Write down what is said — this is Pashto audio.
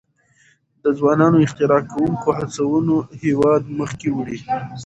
د ځوانو اختراع کوونکو هڅونه هیواد مخکې وړي.